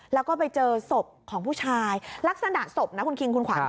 แล้วก็ไปเจอศพของผู้ชายลักษณะศพนะคุณคิงคุณขวัญ